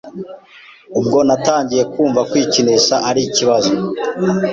Ubwo natangiye kumva kwikinisha ari ikibazo